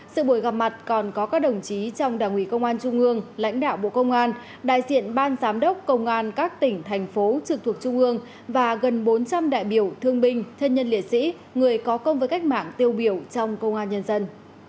sự buổi gặp mặt còn có các đồng chí trong đảng ủy công an trung ương lãnh đạo bộ công an đại diện ban giám đốc công an các tỉnh thành phố trực thuộc trung ương và gần bốn trăm linh đại biểu thương binh thân nhân liệt sĩ người có công với cách mạng tiêu biểu trong công an nhân dân